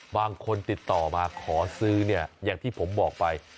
บางคนติดต่อมาขอซื้อเนี่ยอย่างที่ผมบอกไป